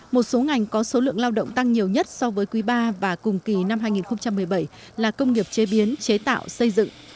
một số ngành có số lượng lao động tăng nhiều nhất so với quý ba và cùng kỳ năm hai nghìn một mươi bảy là công nghiệp chế biến chế tạo xây dựng